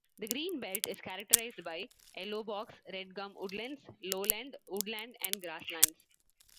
The green belt is characterised by Yellow Box-Red Gum Woodlands, lowland woodland and grasslands.